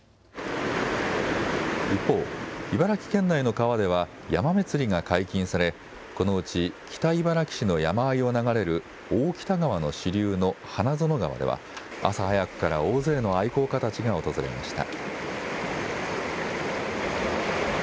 一方、茨城県内の川ではヤマメ釣りが解禁されこのうち北茨城市の山あいを流れる大北川の支流の花園川では朝早くから大勢の愛好家たちが訪れました。